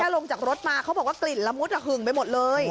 ลงจากรถมาเขาบอกว่ากลิ่นละมุดหึงไปหมดเลย